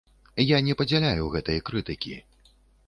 Я не падзяляю гэтай крытыкі.